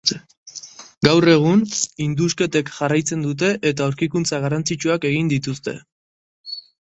Gaur egun, indusketek jarraitzen dute eta aurkikuntza garrantzitsuak egin dituzte.